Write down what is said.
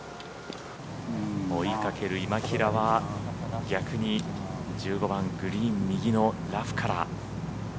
追いかける今平は逆に１５番グリーン右のラフから。